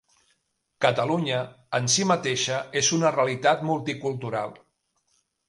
Catalunya en si mateixa és una realitat multicultural.